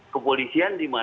kepolisian di mana